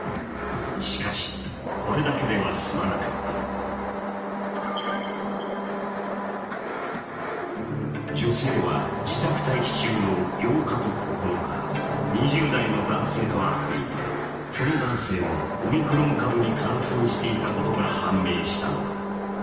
しかし、これだけでは済まなかった女性は自宅待機中の８日と９日２０代の男性と会っていてこの男性もオミクロン株に感染していたことが判明したのだ。